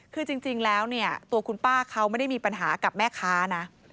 คือจริงแล้วเนี่ยตัวคุณป้าเขาไม่ได้มีปัญหากับแม่ค้านะ